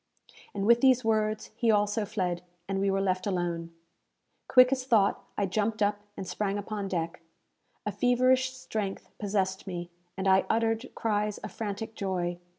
And with these words he also fled, and we were left alone. Quick as thought, I jumped up and sprang upon deck. A feverish strength possessed me, and I uttered cries of frantic joy.